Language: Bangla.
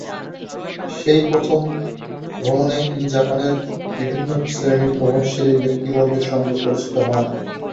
সেই প্রথম ভ্রমণেই তিনি জাপানের বিভিন্ন শ্রেণির প্রভাবশালী ব্যক্তিবর্গের সঙ্গে পরিচিত হন।